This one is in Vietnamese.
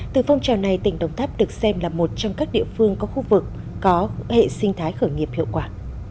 từ phong trào này tỉnh đồng tháp được xem là một trong các địa phương có khu vực có hệ sinh thái khởi nghiệp hiệu quả